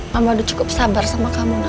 mama udah cukup sabar sama kamu nak